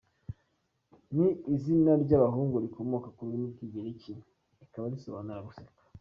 ni izina ry’abahungu rikomoka ku rurimi rw’Igiheburayi rikaba risobanura “Guseka”.